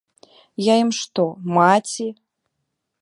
Я ім што, маці?